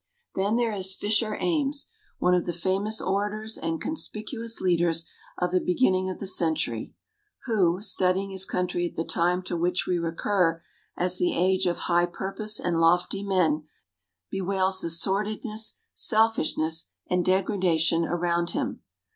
Then there is Fisher Ames, one of the famous orators and conspicuous leaders of the beginning of the century, who, studying his country at the time to which we recur as the age of high purpose and lofty men, bewails the sordidness, selfishness, and degradation around him.